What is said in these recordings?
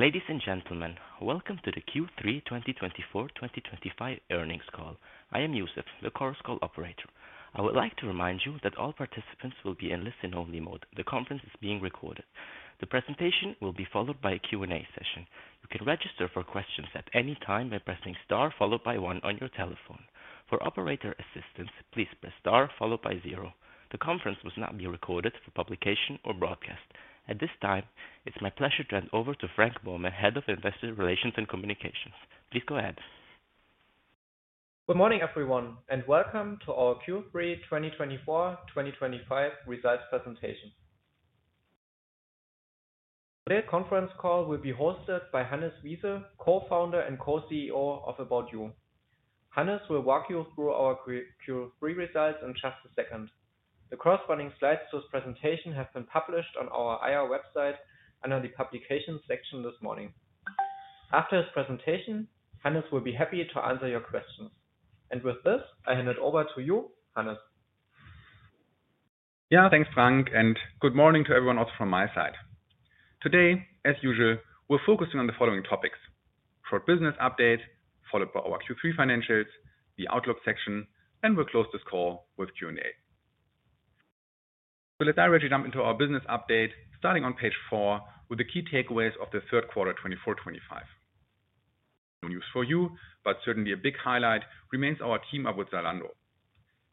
Ladies and gentlemen, welcome to the Q3 2024-2025 earnings call. I am Youssef, the Chorus Call operator. I would like to remind you that all participants will be in listen-only mode. The conference is being recorded. The presentation will be followed by a Q&A session. You can register for questions at any time by pressing star followed by one on your telephone. For operator assistance, please press star followed by zero. The conference will not be recorded for publication or broadcast. At this time, it's my pleasure to hand over to Frank Böhme, Head of Investor Relations and Communications. Please go ahead. Good morning, everyone, and welcome to our Q3 2024-2025 results presentation. Today's conference call will be hosted by Hannes Wiese, Co-founder and Co-CEO of ABOUT YOU. Hannes will walk you through our Q3 results in just a second. The corresponding slides to his presentation have been published on our IR website under the publication section this morning. After his presentation, Hannes will be happy to answer your questions. And with this, I hand it over to you, Hannes. Yeah, thanks, Frank, and good morning to everyone also from my side. Today, as usual, we're focusing on the following topics: short business update, followed by our Q3 financials, the Outlook section, and we'll close this call with Q&A. So let's directly jump into our business update, starting on page four with the key takeaways of the third quarter 24-25. No news for you, but certainly a big highlight remains our team up with Zalando.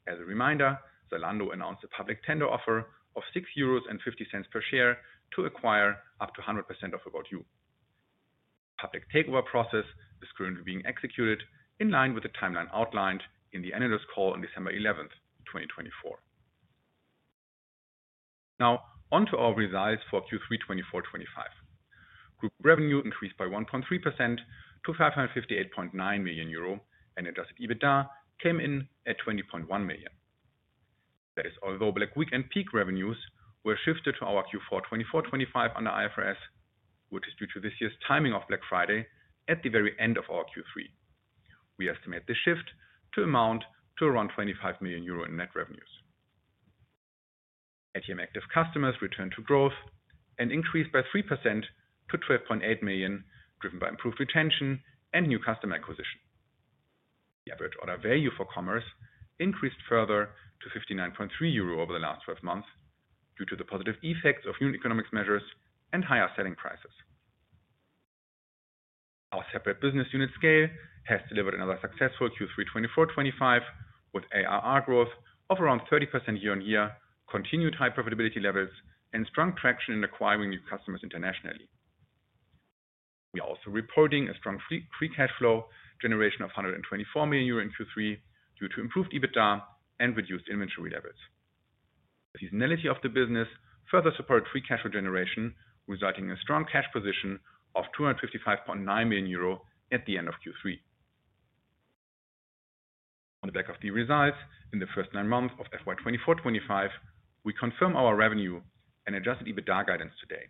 As a reminder, Zalando announced a public tender offer of 6.50 euros per share to acquire up to 100% of ABOUT YOU. This public takeover process is currently being executed in line with the timeline outlined in the analyst call on December 11th, 2024. Now, on to our results for Q3 24-25. Group revenue increased by 1.3% to 558.9 million euro, and Adjusted EBITDA came in at 20.1 million. That is, although Black Week and peak revenues were shifted to our Q4 2024-25 under IFRS, which is due to this year's timing of Black Friday at the very end of our Q3. We estimate the shift to amount to around 25 million euro in net revenues. LTM active customers returned to growth and increased by 3% to 12.8 million, driven by improved retention and new customer acquisition. The average order value for commerce increased further to 59.3 euro over the last 12 months due to the positive effects of new economic measures and higher selling prices. Our separate business unit SCAYLE has delivered another successful Q3 2024-25 with ARR growth of around 30% year on year, continued high profitability levels, and strong traction in acquiring new customers internationally. We are also reporting a strong free cash flow generation of 124 million euro in Q3 due to improved EBITDA and reduced inventory levels. The seasonality of the business further supported free cash flow generation, resulting in a strong cash position of €255.9 million at the end of Q3. On the back of the results in the first nine months of FY 2024-25, we confirm our revenue and Adjusted EBITDA guidance today.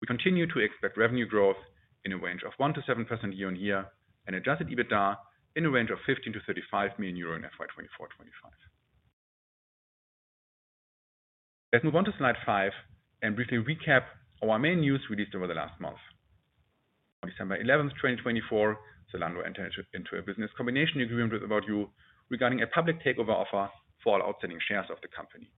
We continue to expect revenue growth in a range of 1%-7% year on year and Adjusted EBITDA in a range of €15-€35 million in FY 2024-25. Let's move on to slide five and briefly recap our main news released over the last month. On December 11th, 2024, Zalando entered into a business combination agreement with About You regarding a public takeover offer for all outstanding shares of the company.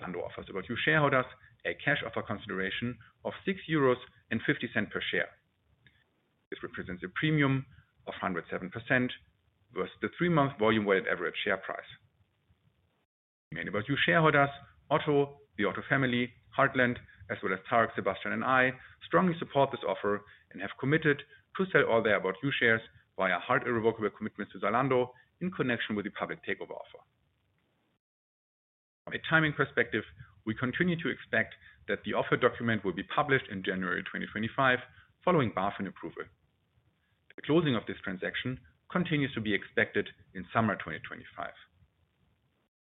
Zalando offers About You shareholders a cash offer consideration of €6.50 per share. This represents a premium of 107% versus the three-month volume-weighted average share price. The main ABOUT YOU shareholders, Otto, the Otto family, Heartland, as well as Tarek, Sebastian, and I, strongly support this offer and have committed to sell all their ABOUT YOU shares via irrevocable commitments to Zalando in connection with the public takeover offer. From a timing perspective, we continue to expect that the offer document will be published in January 2025, following BaFin approval. The closing of this transaction continues to be expected in summer 2025.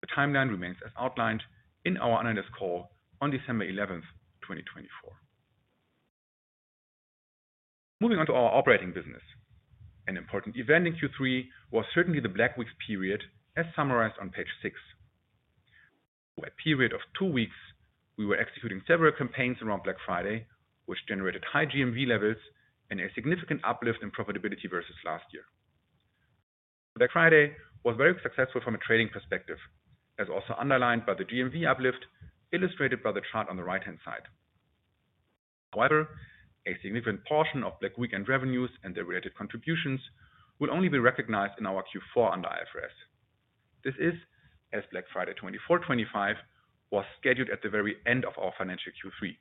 The timeline remains as outlined in our analyst call on December 11th, 2024. Moving on to our operating business, an important event in Q3 was certainly the Black Week period, as summarized on page six. Over a period of two weeks, we were executing several campaigns around Black Friday, which generated high GMV levels and a significant uplift in profitability versus last year. Black Friday was very successful from a trading perspective, as also underlined by the GMV uplift illustrated by the chart on the right-hand side. However, a significant portion of Black Weekend revenues and their related contributions will only be recognized in our Q4 under IFRS. This is as Black Friday 24-25 was scheduled at the very end of our financial Q3.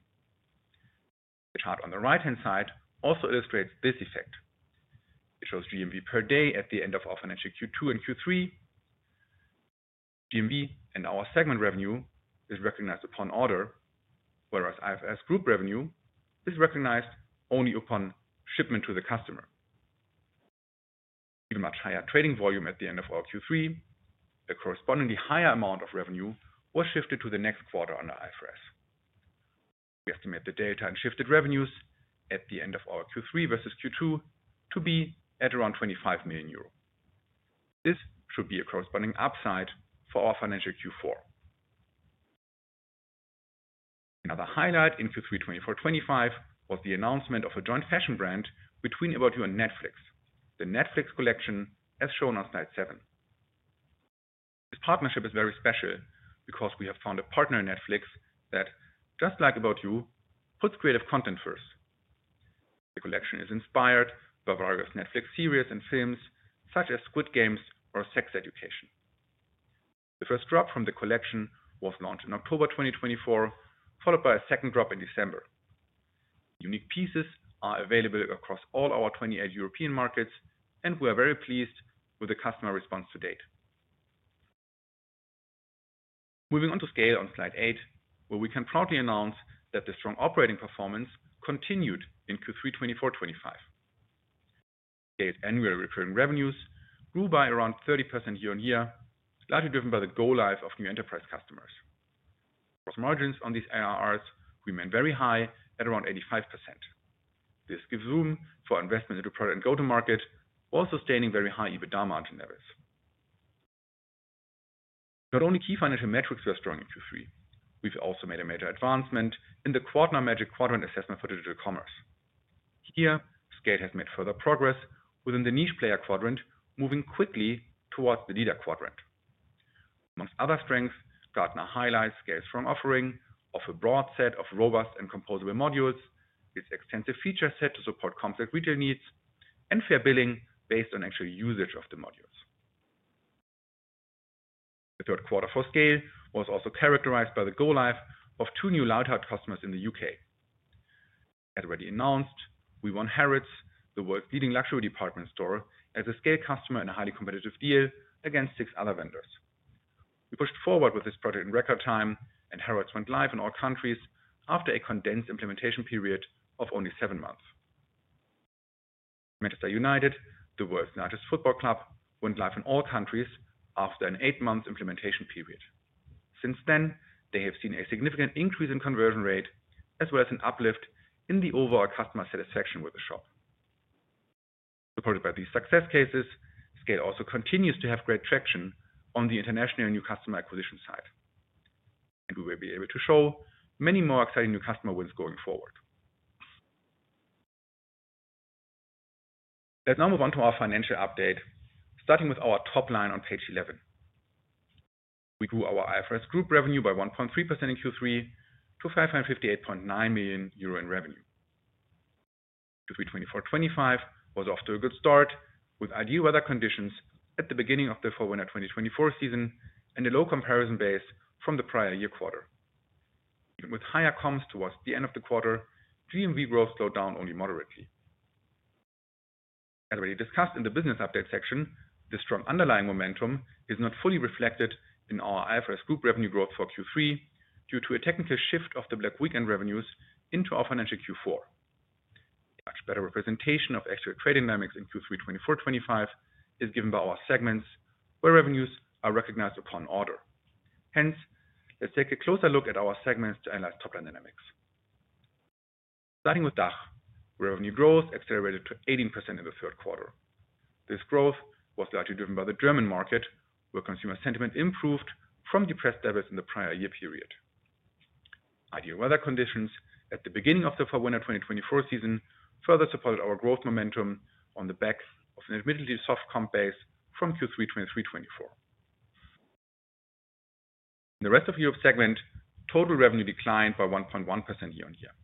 The chart on the right-hand side also illustrates this effect. It shows GMV per day at the end of our financial Q2 and Q3. GMV and our segment revenue is recognized upon order, whereas IFRS group revenue is recognized only upon shipment to the customer. Due to much higher trading volume at the end of our Q3, a correspondingly higher amount of revenue was shifted to the next quarter under IFRS. We estimate the data and shifted revenues at the end of our Q3 versus Q2 to be at around 25 million euro. This should be a corresponding upside for our financial Q4. Another highlight in Q3 24-25 was the announcement of a joint fashion brand between ABOUT YOU and Netflix, the Netflix Collection as shown on slide seven. This partnership is very special because we have found a partner in Netflix that, just like ABOUT YOU, puts creative content first. The collection is inspired by various Netflix series and films such as Squid Game or Sex Education. The first drop from the collection was launched in October 2024, followed by a second drop in December. Unique pieces are available across all our 28 European markets, and we are very pleased with the customer response to date. Moving on to SCAYLE on slide eight, where we can proudly announce that the strong operating performance continued in Q3 24-25. SCAYLE's annual recurring revenues grew by around 30% year on year, largely driven by the go-live of new enterprise customers. Gross margins on these ARRs remain very high at around 85%. This gives room for investment into product and go-to-market, while sustaining very high EBITDA margin levels. Not only key financial metrics were strong in Q3, we've also made a major advancement in the Gartner Magic Quadrant assessment for Digital Commerce. Here, SCAYLE has made further progress within the Niche Players quadrant, moving quickly towards the Leaders quadrant. Among other strengths, Gartner highlights SCAYLE's strong offering of a broad set of robust and composable modules, its extensive feature set to support complex retail needs, and fair billing based on actual usage of the modules. The third quarter for SCAYLE was also characterized by the go-live of two new large customers in the UK. As already announced, we won Harrods, the world's leading luxury department store, as a SCAYLE customer in a highly competitive deal against six other vendors. We pushed forward with this project in record time, and Harrods went live in all countries after a condensed implementation period of only seven months. Manchester United, the world's largest football club, went live in all countries after an eight-month implementation period. Since then, they have seen a significant increase in conversion rate as well as an uplift in the overall customer satisfaction with the shop. Supported by these success cases, SCAYLE also continues to have great traction on the international new customer acquisition side, and we will be able to show many more exciting new customer wins going forward. Let's now move on to our financial update, starting with our top line on page 11. We grew our IFRS group revenue by 1.3% in Q3 to €558.9 million in revenue. Q3 24-25 was off to a good start with ideal weather conditions at the beginning of the Fall/Winter 2024 season and a low comparison base from the prior year quarter. Even with higher comps towards the end of the quarter, GMV growth slowed down only moderately. As already discussed in the business update section, the strong underlying momentum is not fully reflected in our IFRS group revenue growth for Q3 due to a technical shift of the Black Weekend revenues into our financial Q4. A much better representation of actual trade dynamics in Q3 24-25 is given by our segments where revenues are recognized upon order. Hence, let's take a closer look at our segments to analyze top line dynamics. Starting with DACH, revenue growth accelerated to 18% in the third quarter. This growth was largely driven by the German market, where consumer sentiment improved from depressed levels in the prior year period. Ideal weather conditions at the beginning of the Fall/Winter 2024 season further supported our growth momentum on the back of an admittedly soft comp base from Q3 2023-2024. In the rest of Europe segment, total revenue declined by 1.1% year on year.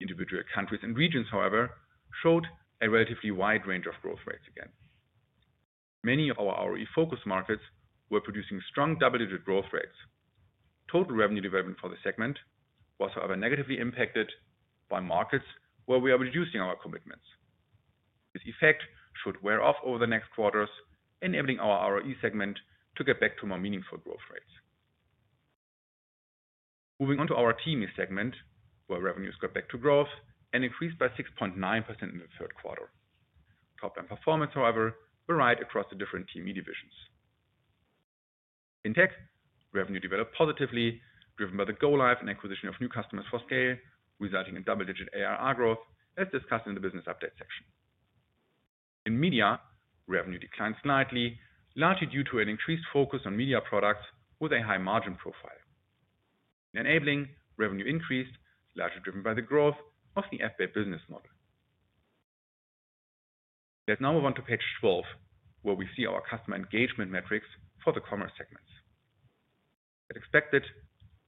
Individual countries and regions, however, showed a relatively wide range of growth rates again. Many of our ROE-focused markets were producing strong double-digit growth rates. Total revenue development for the segment was, however, negatively impacted by markets where we are reducing our commitments. This effect should wear off over the next quarters, enabling our ROE segment to get back to more meaningful growth rates. Moving on to our TME segment, where revenues got back to growth and increased by 6.9% in the third quarter. Top line performance, however, varied across the different TME divisions. In tech, revenue developed positively, driven by the go-live and acquisition of new customers for SCAYLE, resulting in double-digit ARR growth, as discussed in the business update section. In media, revenue declined slightly, largely due to an increased focus on media products with a high margin profile. In enabling, revenue increased, largely driven by the growth of the FbAY business model. Let's now move on to page 12, where we see our customer engagement metrics for the commerce segments. As expected,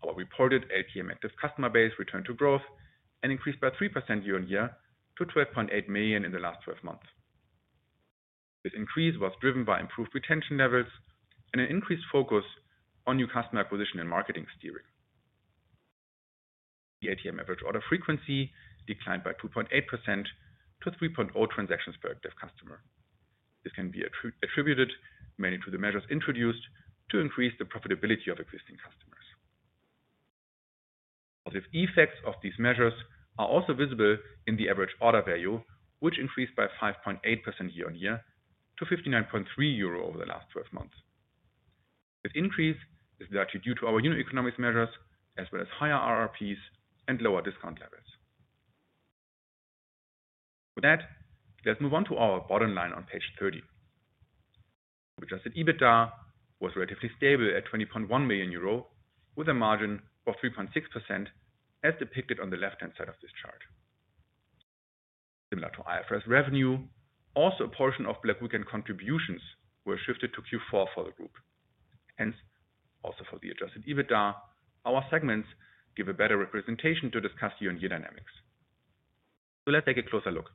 our reported LTM active customer base returned to growth and increased by 3% year on year to €12.8 million in the last 12 months. This increase was driven by improved retention levels and an increased focus on new customer acquisition and marketing steering. The LTM average order frequency declined by 2.8% to 3.0 transactions per active customer. This can be attributed mainly to the measures introduced to increase the profitability of existing customers. Positive effects of these measures are also visible in the average order value, which increased by 5.8% year on year to €59.3 over the last 12 months. This increase is largely due to our unit economics measures, as well as higher RRPs and lower discount levels. With that, let's move on to our bottom line on page 30. Adjusted EBITDA was relatively stable at €20.1 million with a margin of 3.6%, as depicted on the left-hand side of this chart. Similar to IFRS revenue, also a portion of Black Weekend contributions were shifted to Q4 for the group. Hence, also for the adjusted EBITDA, our segments give a better representation to discuss year-on-year dynamics. So let's take a closer look.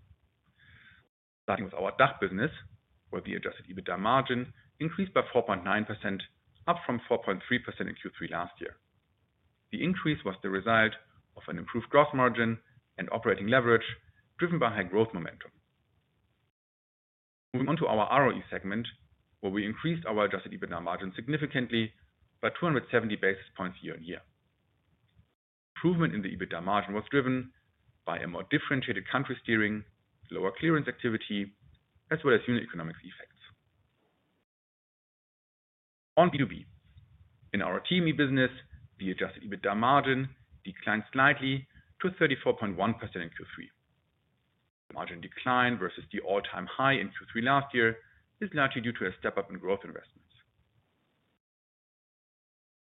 Starting with our DACH business, where the adjusted EBITDA margin increased by 4.9%, up from 4.3% in Q3 last year. The increase was the result of an improved gross margin and operating leverage driven by high growth momentum. Moving on to our ROE segment, where we increased our adjusted EBITDA margin significantly by 270 basis points year on year. Improvement in the EBITDA margin was driven by a more differentiated country steering, lower clearance activity, as well as unit economics effects. On B2B, in our TME business, the Adjusted EBITDA margin declined slightly to 34.1% in Q3. The margin decline versus the all-time high in Q3 last year is largely due to a step-up in growth investments.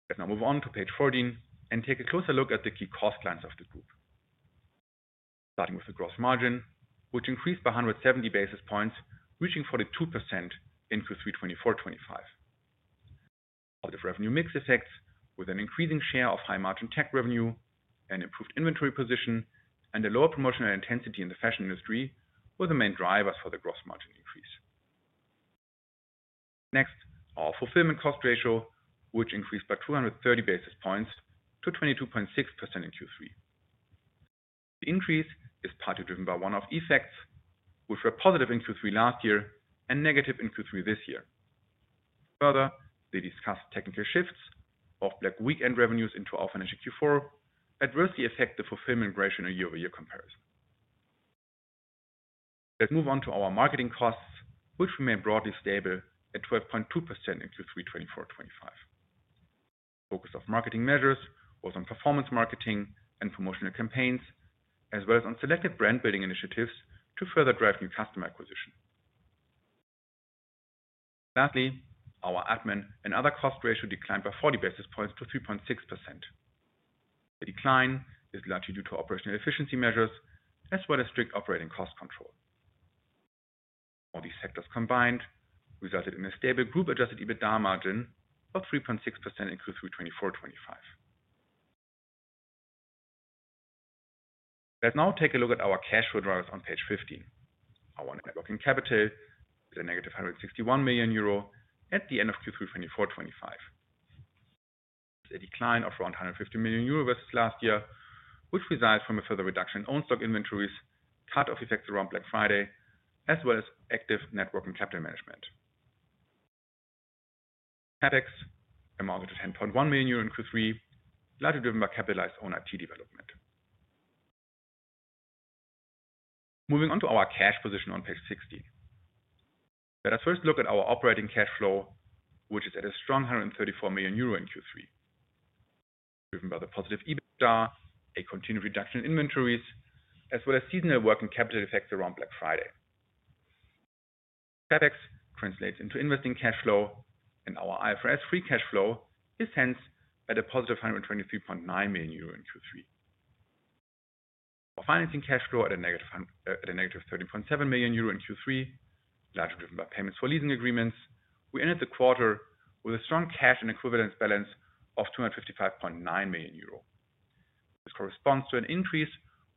Let's now move on to page 14 and take a closer look at the key cost lines of the group. Starting with the gross margin, which increased by 170 basis points, reaching 42% in Q3 2024-25. Positive revenue mix effects, with an increasing share of high-margin tech revenue, an improved inventory position, and a lower promotional intensity in the fashion industry, were the main drivers for the gross margin increase. Next, our fulfillment cost ratio, which increased by 230 basis points to 22.6% in Q3. The increase is partly driven by one-off effects, which were positive in Q3 last year and negative in Q3 this year. Further, they discussed technical shifts of Black Week revenues into our financial Q4 that reversed the effect of fulfillment ratio in a year-over-year comparison. Let's move on to our marketing costs, which remained broadly stable at 12.2% in Q3 2024-25. Focus of marketing measures was on performance marketing and promotional campaigns, as well as on selected brand-building initiatives to further drive new customer acquisition. Lastly, our admin and other cost ratio declined by 40 basis points to 3.6%. The decline is largely due to operational efficiency measures as well as strict operating cost control. All these factors combined resulted in a stable group Adjusted EBITDA margin of 3.6% in Q3 2024-25. Let's now take a look at our cash flow drivers on page 15. Our net working capital is a negative €161 million at the end of Q3 2024-25. There's a decline of around €150 million versus last year, which results from a further reduction in own stock inventories, cut-off effects around Black Friday, as well as active working capital management. Capex amounted to €10.1 million in Q3, largely driven by capitalized own IT development. Moving on to our cash position on page 60. Let us first look at our operating cash flow, which is at a strong €134 million in Q3, driven by the positive EBITDA, a continued reduction in inventories, as well as seasonal working capital effects around Black Friday. Capex translates into investing cash flow, and our IFRS free cash flow is hence at a positive €123.9 million in Q3. Our financing cash flow at a negative €13.7 million in Q3, largely driven by payments for leasing agreements. We ended the quarter with a strong cash and equivalents balance of €255.9 million. This corresponds to an increase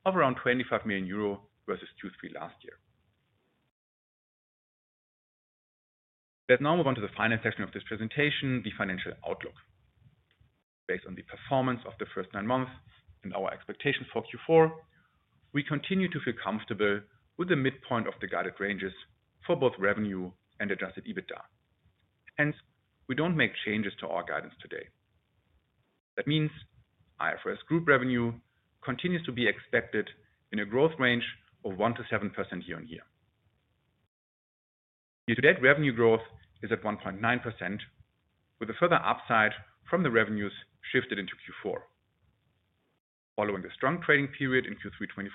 of around €25 million versus Q3 last year. Let's now move on to the final section of this presentation, the financial outlook. Based on the performance of the first nine months and our expectations for Q4, we continue to feel comfortable with the midpoint of the guided ranges for both revenue and Adjusted EBITDA. Hence, we don't make changes to our guidance today. That means IFRS group revenue continues to be expected in a growth range of 1%-7% year on year. Year-to-date revenue growth is at 1.9%, with a further upside from the revenues shifted into Q4. Following the strong trading period in Q3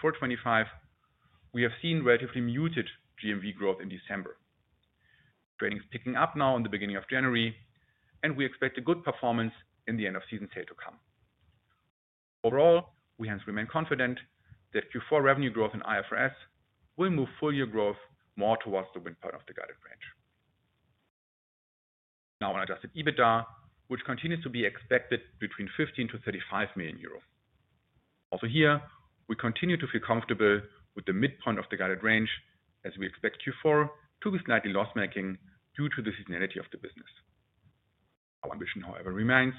2024-2025, we have seen relatively muted GMV growth in December. Trading is picking up now in the beginning of January, and we expect a good performance in the end-of-season sale to come. Overall, we hence remain confident that Q4 revenue growth in IFRS will move full-year growth more towards the upper end of the guided range. Now, on adjusted EBITDA, which continues to be expected between 15 to 35 million euro. Also here, we continue to feel comfortable with the midpoint of the guided range, as we expect Q4 to be slightly loss-making due to the seasonality of the business. Our ambition, however, remains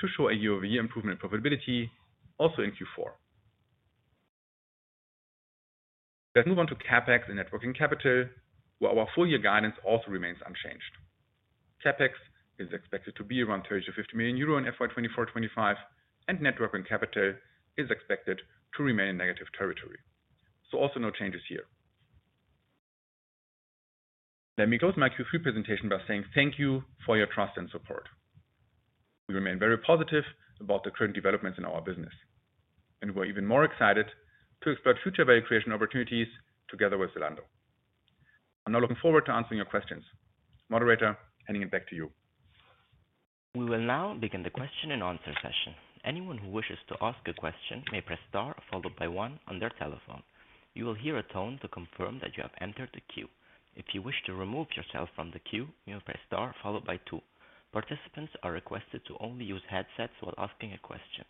to show a year-over-year improvement in profitability also in Q4. Let's move on to CapEx and net working capital, where our full-year guidance also remains unchanged. CapEx is expected to be around 30 to 50 million euro in FY 2024-25, and net working capital is expected to remain in negative territory. So also no changes here. Let me close my Q3 presentation by saying thank you for your trust and support. We remain very positive about the current developments in our business, and we are even more excited to explore future value creation opportunities together with Zalando. I'm now looking forward to answering your questions. Moderator, handing it back to you. We will now begin the question-and-answer session. Anyone who wishes to ask a question may press star followed by one on their telephone. You will hear a tone to confirm that you have entered the queue. If you wish to remove yourself from the queue, you will press star followed by two. Participants are requested to only use headsets while asking a question.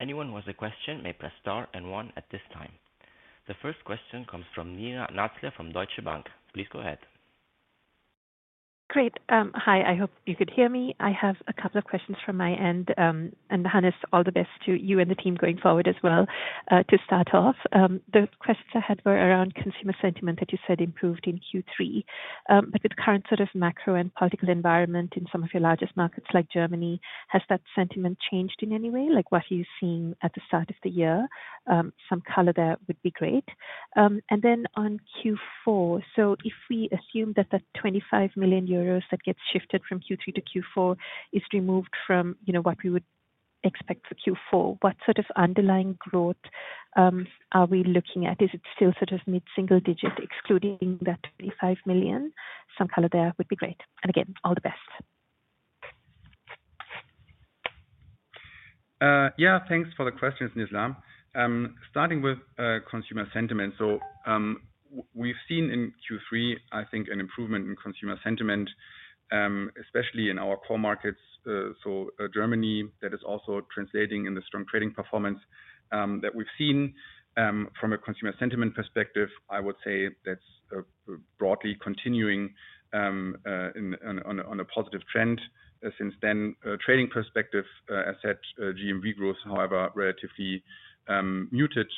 Anyone who has a question may press star and one at this time. The first question comes from Nizla Naizer from Deutsche Bank. Please go ahead. Great. Hi, I hope you could hear me. I have a couple of questions from my end, and Hannes, all the best to you and the team going forward as well to start off. The questions I had were around consumer sentiment that you said improved in Q3, but with current sort of macro and political environment in some of your largest markets like Germany, has that sentiment changed in any way? Like what are you seeing at the start of the year? Some color there would be great. And then on Q4, so if we assume that that 25 million euros that gets shifted from Q3 to Q4 is removed from what we would expect for Q4, what sort of underlying growth are we looking at? Is it still sort of mid-single digit, excluding that 25 million? Some color there would be great. And again, all the best. Yeah, thanks for the questions, Nizla. Starting with consumer sentiment, we've seen in Q3, I think, an improvement in consumer sentiment, especially in our core markets. So, Germany, that is also translating into the strong trading performance that we've seen. From a consumer sentiment perspective, I would say that's broadly continuing on a positive trend since then. Trading perspective, I said GMV growth, however, relatively muted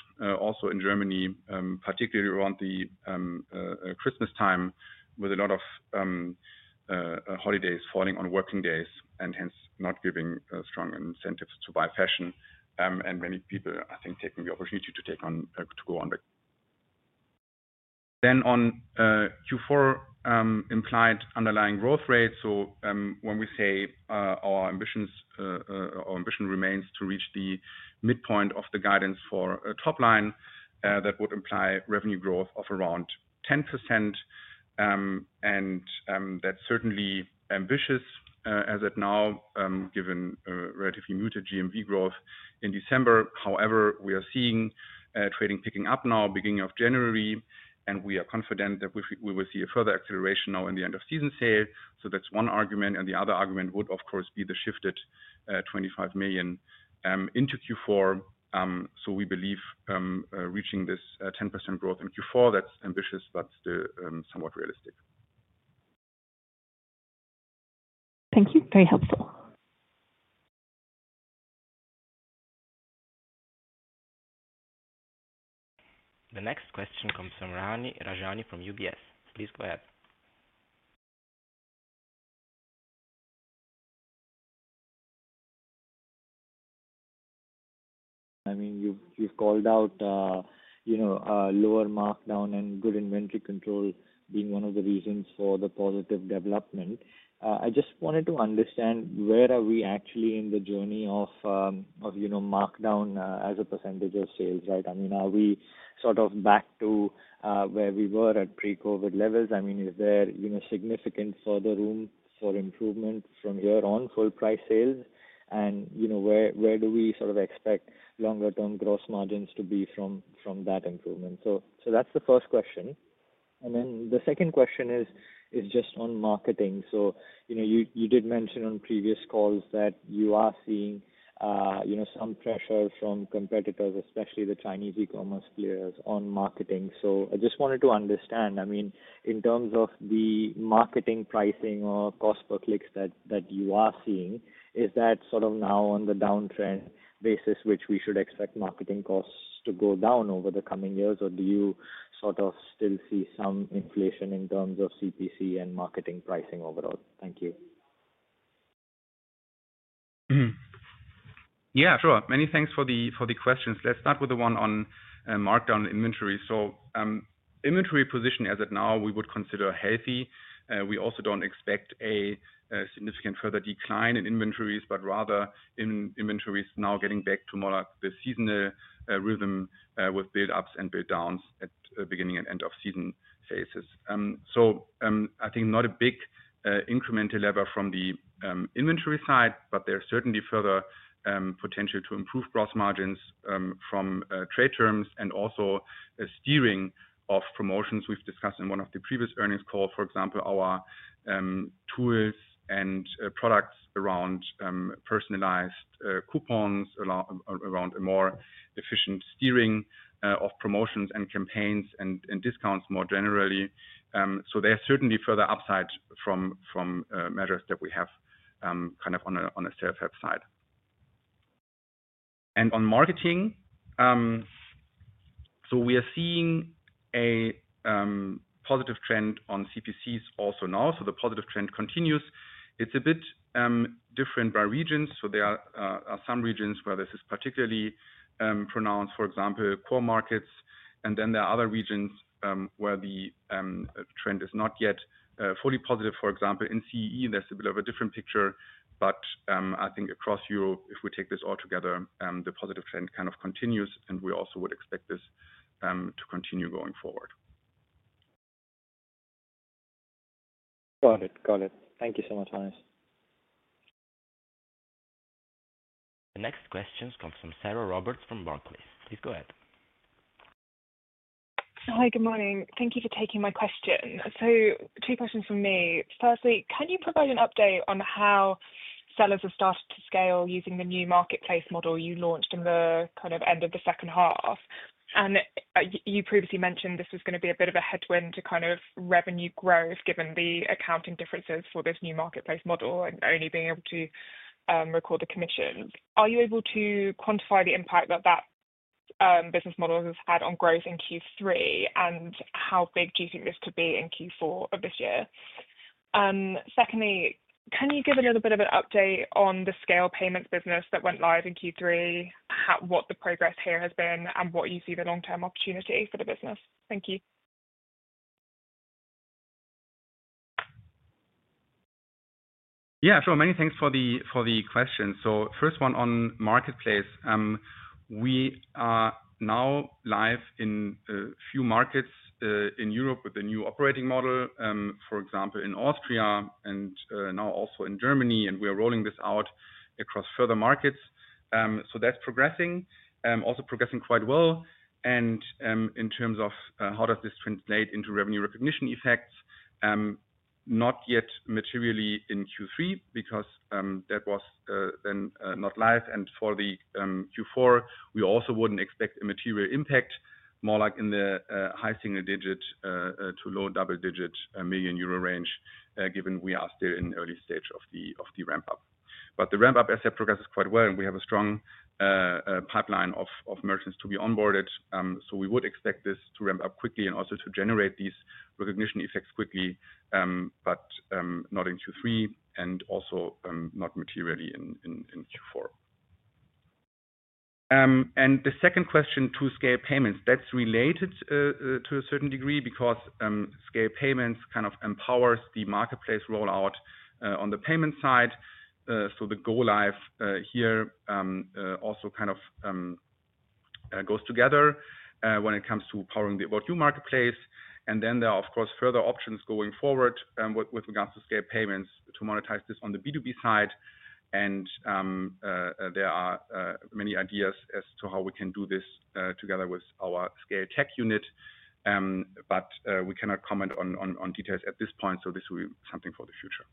also in Germany, particularly around Christmas time, with a lot of holidays falling on working days and hence not giving strong incentives to buy fashion. And many people, I think, taking the opportunity to go on. Then, on Q4, implied underlying growth rate. So, when we say our ambition remains to reach the midpoint of the guidance for a top line, that would imply revenue growth of around 10%. And that's certainly ambitious as of now, given relatively muted GMV growth in December. However, we are seeing trading picking up now, beginning of January, and we are confident that we will see a further acceleration now in the end-of-season sale. So that's one argument, and the other argument would, of course, be the shifted €25 million into Q4. So we believe reaching this 10% growth in Q4, that's ambitious, but still somewhat realistic. Thank you. Very helpful. The next question comes from Rajani from UBS. Please go ahead. I mean, you've called out lower markdown and good inventory control being one of the reasons for the positive development. I just wanted to understand where are we actually in the journey of markdown as a percentage of sales, right? I mean, are we sort of back to where we were at pre-COVID levels? I mean, is there significant further room for improvement from here on full-price sales? And where do we sort of expect longer-term gross margins to be from that improvement? So that's the first question. And then the second question is just on marketing. So you did mention on previous calls that you are seeing some pressure from competitors, especially the Chinese e-commerce players, on marketing. So I just wanted to understand, I mean, in terms of the marketing pricing or cost per clicks that you are seeing, is that sort of now on the downtrend basis, which we should expect marketing costs to go down over the coming years, or do you sort of still see some inflation in terms of CPC and marketing pricing overall? Thank you. Yeah, sure. Many thanks for the questions. Let's start with the one on markdown inventory. So inventory position as of now, we would consider healthy. We also don't expect a significant further decline in inventories, but rather in inventories now getting back to more like the seasonal rhythm with build-ups and build-downs at the beginning and end-of-season phases. So I think not a big incremental lever from the inventory side, but there's certainly further potential to improve gross margins from trade terms and also steering of promotions we've discussed in one of the previous earnings calls. For example, our tools and products around personalized coupons, around a more efficient steering of promotions and campaigns and discounts more generally. So there's certainly further upside from measures that we have kind of on a self-help side. And on marketing, so we are seeing a positive trend on CPCs also now. So the positive trend continues. It's a bit different by regions. So there are some regions where this is particularly pronounced, for example, core markets. And then there are other regions where the trend is not yet fully positive. For example, in CEE, there's a bit of a different picture. But I think across Europe, if we take this all together, the positive trend kind of continues, and we also would expect this to continue going forward. Got it. Got it. Thank you so much, Hannes. The next questions come from Sarah Roberts from Barclays. Please go ahead. Hi, good morning. Thank you for taking my question. So two questions from me. Firstly, can you provide an update on how sellers have started to scale using the new marketplace model you launched in the kind of end of the second half? And you previously mentioned this was going to be a bit of a headwind to kind of revenue growth, given the accounting differences for this new marketplace model and only being able to record the commissions. Are you able to quantify the impact that that business model has had on growth in Q3, and how big do you think this could be in Q4 of this year? Secondly, can you give a little bit of an update on the SCAYLE payments business that went live in Q3, what the progress here has been, and what you see the long-term opportunity for the business? Thank you. Yeah, sure. Many thanks for the questions. So first one on marketplace. We are now live in a few markets in Europe with the new operating model, for example, in Austria and now also in Germany, and we are rolling this out across further markets. That's progressing, also progressing quite well. In terms of how does this translate into revenue recognition effects, not yet materially in Q3, because that was then not live. For the Q4, we also wouldn't expect a material impact, more like in the high single-digit to low double-digit million euro range, given we are still in the early stage of the ramp-up. The ramp-up, as I said, progresses quite well, and we have a strong pipeline of merchants to be onboarded. We would expect this to ramp up quickly and also to generate these recognition effects quickly, but not in Q3 and also not materially in Q4. The second question, to SCAYLE Payments, that's related to a certain degree because SCAYLE Payments kind of empowers the marketplace rollout on the payment side. The go-live here also kind of goes together when it comes to powering the About You marketplace. And then there are, of course, further options going forward with regards to SCAYLE Payments to monetize this on the B2B side. And there are many ideas as to how we can do this together with our SCAYLE tech unit, but we cannot comment on details at this point, so this will be something for the future.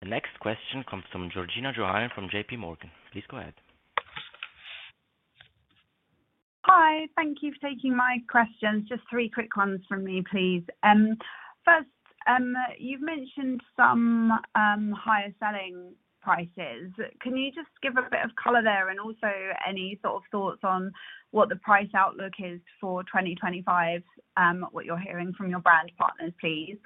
The next question comes from Georgina Johanan from J.P. Morgan. Please go ahead. Hi, thank you for taking my questions. Just three quick ones from me, please. First, you've mentioned some higher selling prices. Can you just give a bit of color there and also any sort of thoughts on what the price outlook is for 2025, what you're hearing from your brand partners, please?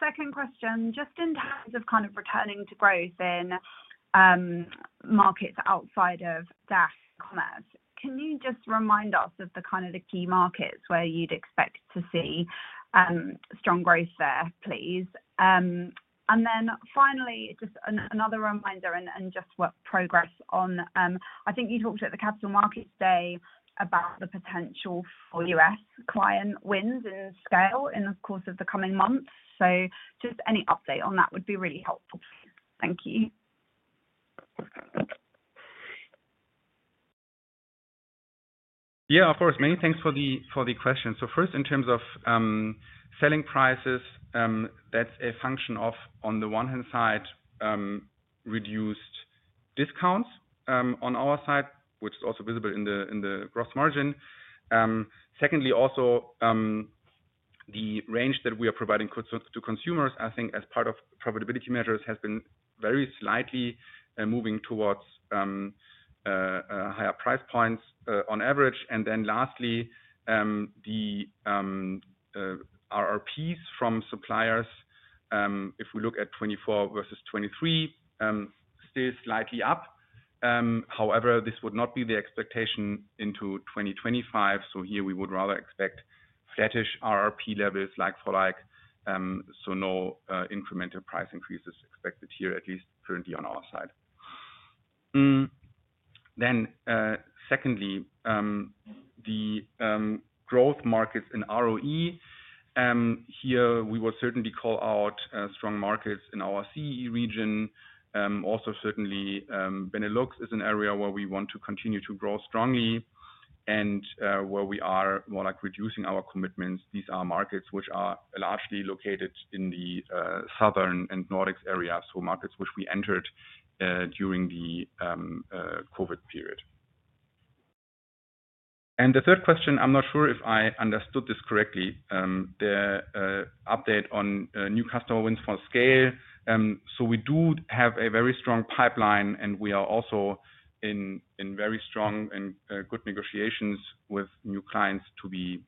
Second question, just in terms of kind of returning to growth in markets outside of DACH commerce, can you just remind us of the kind of the key markets where you'd expect to see strong growth there, please? And then finally, just another reminder and just what progress on I think you talked at the Capital Markets Day about the potential for US client wins and SCAYLE in the course of the coming months. So just any update on that would be really helpful. Thank you. Yeah, of course. Many thanks for the question. So first, in terms of selling prices, that's a function of, on the one hand side, reduced discounts on our side, which is also visible in the gross margin. Secondly, also the range that we are providing to consumers, I think as part of profitability measures, has been very slightly moving towards higher price points on average, and then lastly, the RRPs from suppliers, if we look at 2024 versus 2023, still slightly up. However, this would not be the expectation into 2025, so here we would rather expect flattish RRP levels like for like, so no incremental price increases expected here, at least currently on our side, then secondly, the growth markets in ROE. Here we will certainly call out strong markets in our CEE region, also certainly, Benelux is an area where we want to continue to grow strongly and where we are more likely reducing our commitments. These are markets which are largely located in the southern and Nordics area, so markets which we entered during the COVID period. The third question, I'm not sure if I understood this correctly, the update on new customer wins for SCAYLE. So we do have a very strong pipeline, and we are also in very strong and good negotiations with new clients to be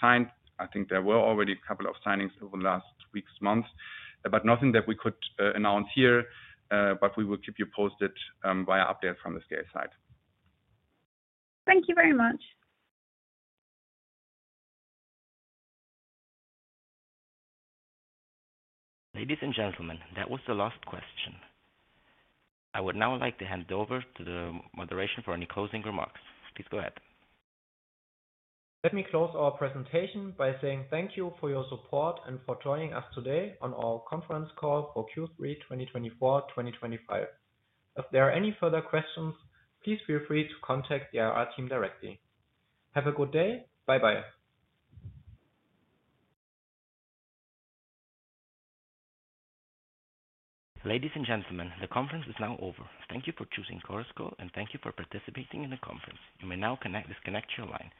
signed. I think there were already a couple of signings over the last weeks, months, but nothing that we could announce here, but we will keep you posted via updates from the SCAYLE side. Thank you very much. Ladies and gentlemen, that was the last question. I would now like to hand over to the moderation for any closing remarks. Please go ahead. Let me close our presentation by saying thank you for your support and for joining us today on our conference call for Q3 2024-2025. If there are any further questions, please feel free to contact the IR team directly. Have a good day. Bye-bye. Ladies and gentlemen, the conference is now over. Thank you for choosing Chorus Call, and thank you for participating in the conference. You may now disconnect your line.